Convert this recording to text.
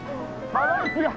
バランスが。